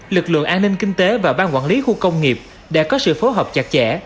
lực lượng an ninh kinh tế và ban quản lý khu công nghiệp đã có sự phối hợp chặt chẽ